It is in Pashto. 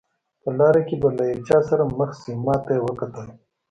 په لاره کې به له یو چا سره مخ شئ، ما ته یې وکتل.